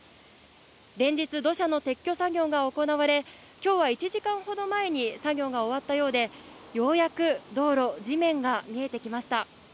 連日、土砂の撤去作業が行われ、きょうは１時間ほど前に作業が終わったようで、ようやく道路、地面が見えてきました。